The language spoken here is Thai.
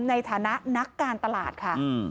ในฐานะนักการตลาดค่ะ